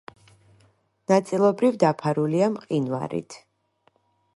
ნაწილობრივ დაფარულია მყინვარით.